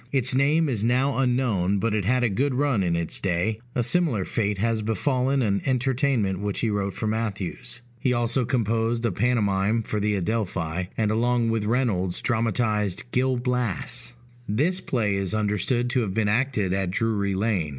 Its name is now unknown, but it had a good run in its day; a similar fate has befallen an entertainment which he wrote for Mathews. He also composed a pantomime for the Adelphi; and, along with Reynolds, dramatized Gil Blas. This play is understood to have been acted at Drury Lane.